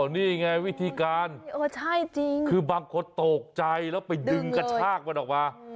นี่ไงวิธีการคือบางคนตกใจแล้วไปดึงกระชากมันออกมา